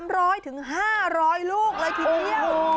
๓๐๐๕๐๐ลูกเลยทีเตียว